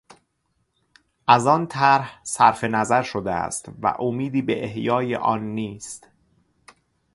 از آن طرح صرفنظر شده است و امیدی به احیای آن نیست.